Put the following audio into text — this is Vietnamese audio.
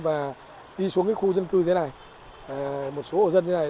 và đi xuống cái khu dân cư dưới này một số hộ dân dưới này